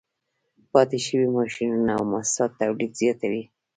پاتې شوي ماشینونه او موسسات تولید زیاتوي